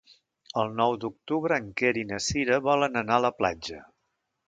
El nou d'octubre en Quer i na Cira volen anar a la platja.